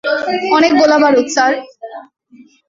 অনেক গোলাবারুদ, স্যার।